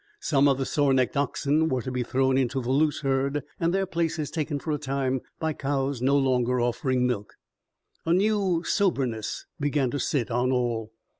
Some of the sore necked oxen were to be thrown into the loose herd and their places taken for a time by cows no longer offering milk. A new soberness began to sit on all.